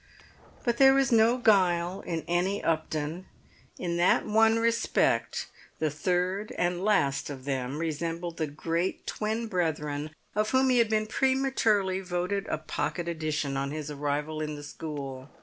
But there was no guile in any Upton; in that one respect the third and last of them resembled the great twin brethren of whom he had been prematurely voted a "pocket edition" on his arrival in the school.